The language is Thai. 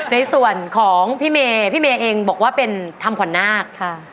ในส่วนของพี่เมย์พี่เมย์เองบอกว่าเป็นทำขวัญนาค